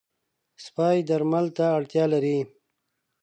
سپي درمل ته اړتیا لري.